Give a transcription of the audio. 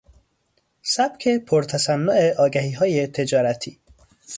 سبک پر تصنع آگهیهای تجارتی